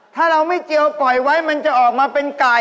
ถ้าเราไม่เจียวปล่อยไว้มันจะออกมาเป็นไก่